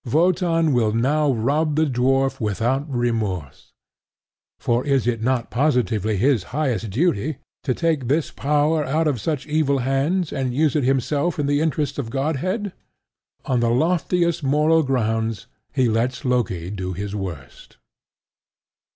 Wotan will now rob the dwarf without remorse; for is it not positively his highest duty to take this power out of such evil hands and use it himself in the interests of Godhead? On the loftiest moral grounds, he lets Loki do his worst.